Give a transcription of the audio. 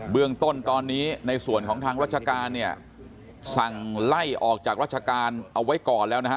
เรื่องต้นตอนนี้ในส่วนของทางราชการเนี่ยสั่งไล่ออกจากราชการเอาไว้ก่อนแล้วนะฮะ